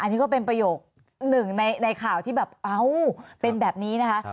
อันนี้ก็เป็นประโยคหนึ่งในข่าวที่แบบเอ้าเป็นแบบนี้นะคะ